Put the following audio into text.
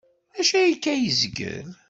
D acu akka ay yezgel?